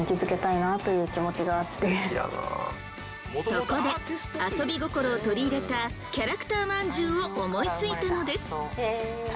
そこで遊び心を取り入れたキャラクターまんじゅうを思いついたのです。